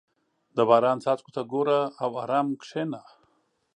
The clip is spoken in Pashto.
• د باران څاڅکو ته ګوره او ارام کښېنه.